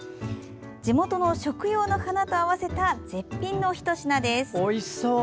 地元の食用の花と合わせた絶品のひと品です。